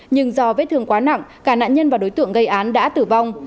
nhưng do vết thương quá nặng cả nạn nhân và đối tượng gây án đã tử vong